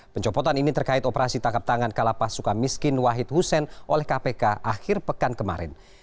pencopotan ini terkait operasi tangkap tangan kalapas suka miskin wahid hussein oleh kpk akhir pekan kemarin